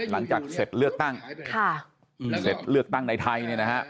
หลังจากเสร็จเลือกตั้งในไทย